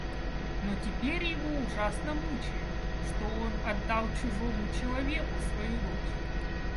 Но теперь его ужасно мучает, что он отдал чужому человеку свою дочь.